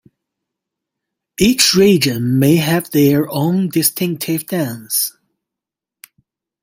Each region may have their own distinctive dance.